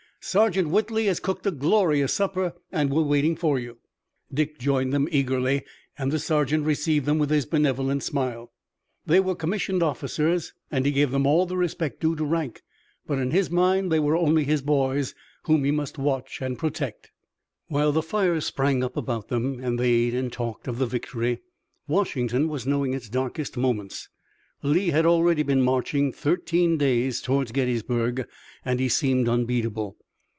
"Sergeant Whitley has cooked a glorious supper and we're waiting for you." Dick joined them eagerly, and the sergeant received them with his benevolent smile. They were commissioned officers, and he gave them all the respect due to rank, but in his mind they were only his boys, whom he must watch and protect. While the fires sprang up about them and they ate and talked of the victory, Washington was knowing its darkest moments. Lee had already been marching thirteen days toward Gettysburg, and he seemed unbeatable.